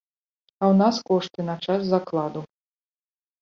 А ў нас кошты на час закладу.